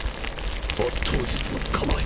抜刀術の構え